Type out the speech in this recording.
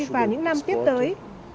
và những năm tiếp tới